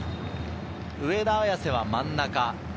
上田綺世は真ん中。